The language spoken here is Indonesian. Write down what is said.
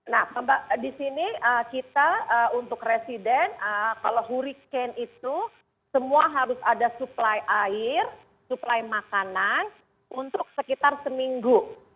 nah disini kita untuk resident kalau hurricane itu semua harus ada supply air supply makanan untuk sekitar seminggu